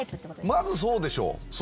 まずそうでしょそれは。